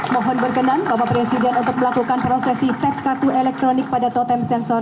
mohon berkenan bapak presiden untuk melakukan prosesi tap kartu elektronik pada totem sensor